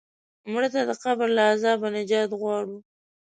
مړه ته د قبر له عذابه نجات غواړو